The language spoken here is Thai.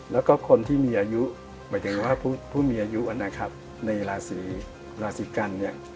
และคนที่เหมาะอายุในราศิกัณฑ์